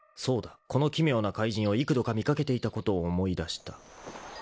［そうだこの奇妙な怪人を幾度か見掛けていたことを思い出した］